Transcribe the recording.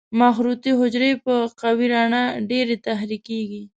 مخروطي حجرې په قوي رڼا ډېرې تحریکېږي.